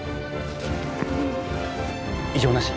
異常なし？